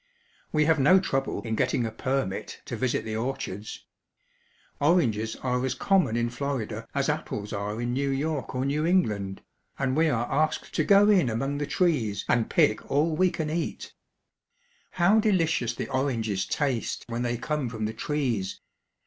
We have no trouble in getting a permit to visit the orchards. Oranges are as common in Florida as apples are in New York or New England, and we are asked to go in among the trees and pick all we can eat. 134 THE SOUTH. How delicious the oranges taste when they come from the trees!